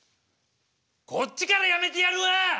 こっちからやめてやるわ！